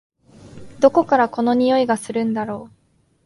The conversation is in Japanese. どこからこの匂いがするんだろ？